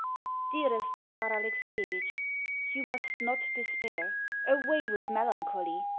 DEAREST MAKAR ALEXIEVITCH, You must not despair. Away with melancholy!